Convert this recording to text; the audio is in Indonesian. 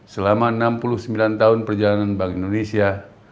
selama enam puluh sembilan tahun perjalanan bank indonesia